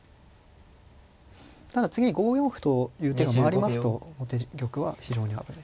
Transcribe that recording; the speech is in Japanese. ただ次に５四歩という手が回りますと後手玉は非常に危ないです。